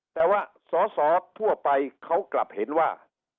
แต่ว่าสอสอทั่วไปเขากลับเห็นว่า